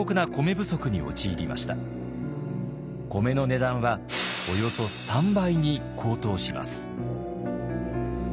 米の値段はおよそ３倍に高騰します。